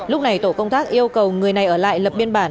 lúc này tổ công tác yêu cầu người này ở lại lập biên bản